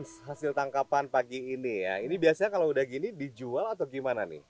terus hasil tangkapan pagi ini ya ini biasanya kalau udah gini dijual atau gimana nih